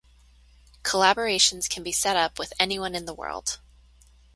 Collaborations can be set up with anyone in the world.